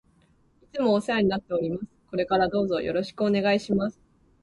いつもお世話になっております。これからどうぞよろしくお願いします。